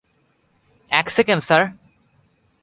এক second sir.